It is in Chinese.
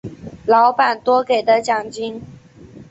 老板多给的奖金